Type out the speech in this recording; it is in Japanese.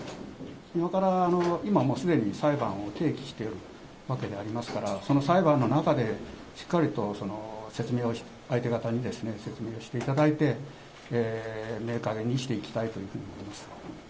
今から、今もうすでに裁判を提起しておるわけでありますから、その裁判の中でしっかりと相手方に説明をしていただいて、明快にしていきたいというふうに思います。